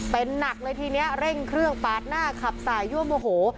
เป็นหนักเลยทีนี้เร่งเครื่องปาดหน้าขับสายยั่วโมโห